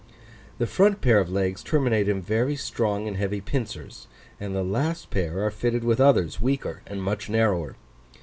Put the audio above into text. The front pair of legs terminate in very strong and heavy pincers, and the last pair are fitted with others weaker and much narrower.